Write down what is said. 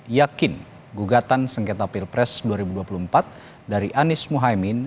yakin gugatan sengketa pilpres dua ribu dua puluh empat dari anies muhaymin